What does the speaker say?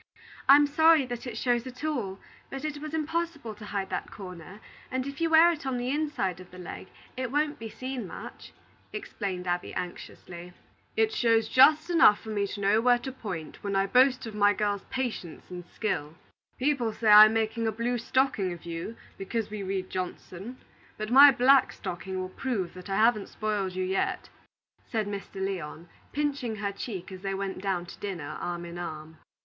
"I'm sorry that it shows at all; but it was impossible to hide that corner, and if you wear it on the inside of the leg, it won't be seen much," explained Abby, anxiously. "It shows just enough for me to know where to point when I boast of my girl's patience and skill. People say I'm making a blue stocking of you, because we read Johnson; but my black stocking will prove that I haven't spoiled you yet," said Mr. Lyon, pinching her cheek, as they went down to dinner arm in arm.